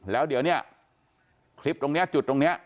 แล้วเดี๋ยวเนี่ยคลิปตรงนี้จุดตรงนี้